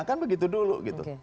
kan begitu dulu gitu